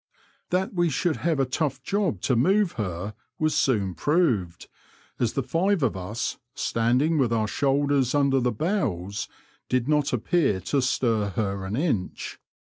That we should have a tough job to move her was soon proved, as the five of us, standing with our shoulders under the bows, did not appear to stir her an inch.